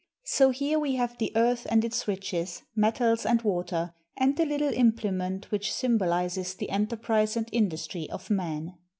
So here we have the earth and its riches, metals and water, and the little implement which symbolizes the enterprise and industry of man.